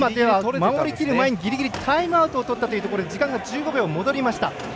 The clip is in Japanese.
守りきる前にぎりぎりタイムアウトをとったということで時間が１５秒、戻りました。